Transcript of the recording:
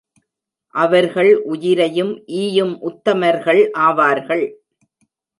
அவர்கள் உயிரையும் ஈயும் உத்தமர்கள் ஆவார்கள்.